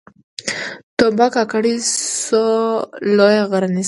توبه کاکړۍ سوه لویه غرنۍ سیمه ده